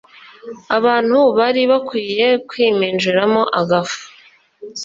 abantu bari bakwiye kwiminjiramo agafu